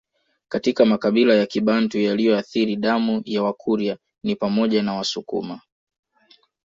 Katika makabila ya Kibantu yaliyoathiri damu ya Wakurya ni pamoja na Wasukuma